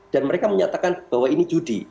dan mereka menyatakan bahwa ini judi